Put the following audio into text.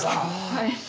はい。